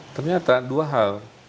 ternyata dua hal